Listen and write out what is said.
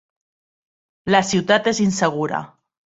La ciutat és insegura.